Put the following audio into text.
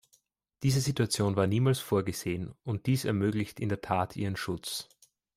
Diese Situation war niemals vorgesehen, und dies ermöglicht in der Tat ihren Schutz.